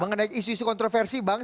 mengenai isu isu kontroversi bang